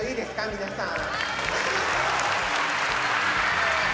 皆さん」